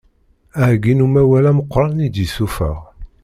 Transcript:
Aheggi n umawal ameqqran i d-yesuffeɣ.